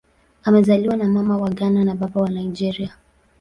Amezaliwa na Mama wa Ghana na Baba wa Nigeria.